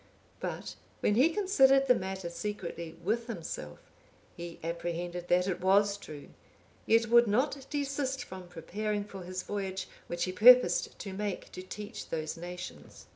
But when he considered the matter secretly with himself, he apprehended that it was true, yet would not desist from preparing for his voyage which he purposed to make to teach those nations.